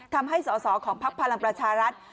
ทำให้สอสอของพักพลังประชารัฐ